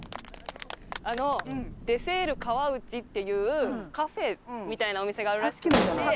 あのデセールカワウチっていうカフェみたいなお店があるらしくて。